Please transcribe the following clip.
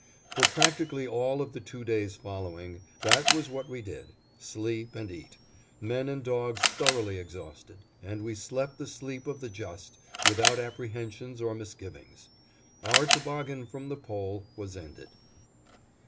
For practically all of the two days following, that was what we did: sleep and eat; men and dogs thoroughly exhausted; and we slept the sleep of the just, without apprehensions or misgivings. Our toboggan from the Pole was ended.